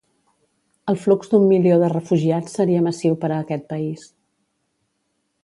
El flux d'un milió de refugiats seria massiu per a aquest país.